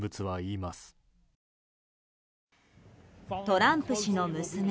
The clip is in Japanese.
トランプ氏の娘